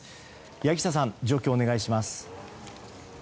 柳下さん、状況をお願いします。